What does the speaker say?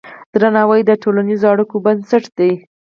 درناوی د ټولنیزو اړیکو بنسټ دی.